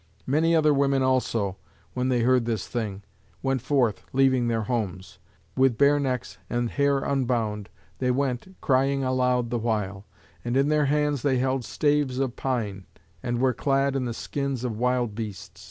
Many other women also, when they heard this thing, went forth, leaving their homes. With bare necks and hair unbound they went, crying aloud the while; and in their hands they held staves of pine, and were clad in the skins of wild beasts.